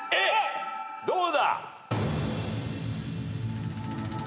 どうだ？